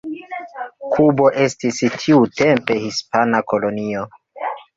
Kubo estis tiutempe hispana kolonio.